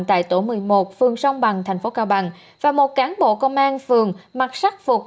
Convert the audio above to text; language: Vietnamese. tại tổ một mươi một phường sông bằng thành phố cao bằng và một cán bộ công an phường mặc sắc phục